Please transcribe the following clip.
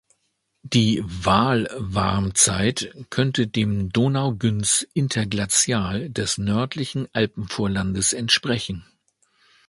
Die Waal-Warmzeit könnte dem Donau-Günz-Interglazial des nördlichen Alpenvorlandes entsprechen.